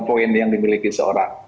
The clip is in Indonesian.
point yang dimiliki seorang